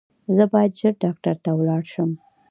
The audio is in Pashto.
زه باید ژر ډاکټر ته ولاړ شم